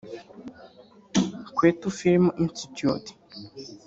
Kwetu Film Institute